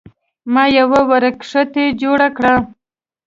ما یوه وړه کښتۍ جوړه کړه.